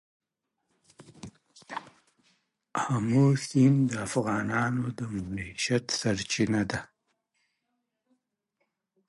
آمو سیند د افغانانو د معیشت سرچینه ده.